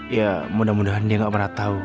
ya mudah mudahan dia gak pernah tahu